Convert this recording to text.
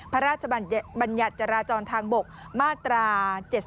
พระราชบัญญัติจราจรทางบกมาตรา๗๒